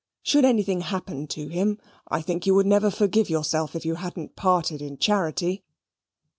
Should anything happen to him, I think you would never forgive yourself if you hadn't parted in charity."